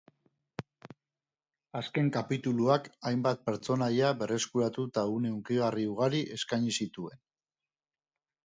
Azken kapituluak hainbat pertsonaia berreskuratu eta une hunkigarri ugari eskaini zituen.